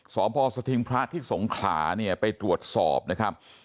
สพสถิงพระที่สงขลาเนี่ยไปตรวจสอบนะครับ